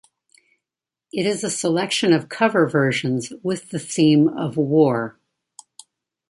It is a selection of cover versions with the theme of war.